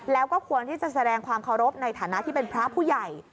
แล้วก็ควรที่จะแสดงความเคารพในฐานะที่เป็นพระผู้ใหญ่